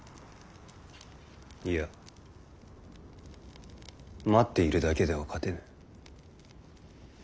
いや待っているだけでは勝てぬ。